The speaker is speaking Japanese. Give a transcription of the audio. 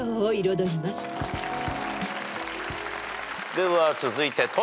では続いてトシ。